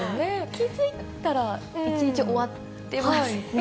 気付いたら一日終わってますよね。